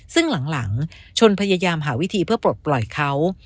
ซึ่งหลังชนพยายามหาวิธีเพื่อปลดปล่อยเขา